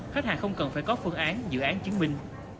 khách hàng không cần phải có phương án dự án chứng minh